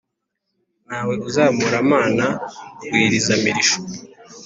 nta we uzamuramana rwiriza mirisho.